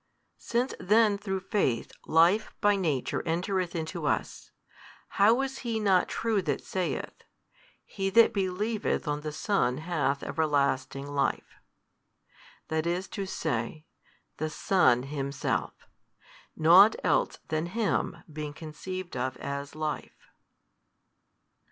Since then through faith Life by Nature entereth into us, how is he not true that saith, He that believeth on the Son hath everlasting Life? that is to say, the Son Himself, nought else than Him being conceived of as Life.